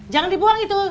jangan dibuang itu